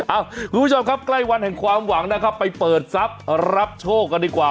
อะคุณผู้ชมครับใกล้วันเห็นความหวังนะคะไปเปิดซับรับโชคกันดีกว่า